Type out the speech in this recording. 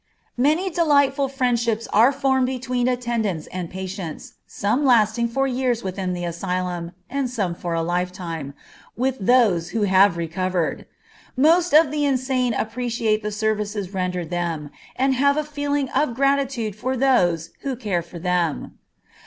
Many delightful friendships are formed between attendants and patients, some lasting for years within the asylum, and some for a lifetime, with those who have recovered. Most of the insane appreciate the services rendered them, and have a feeling of gratitude for those who care for them.